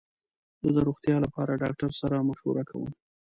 زه د روغتیا لپاره ډاکټر سره مشوره کوم.